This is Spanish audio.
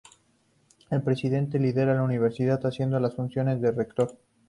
El presidente lidera la universidad, haciendo las funciones de rector.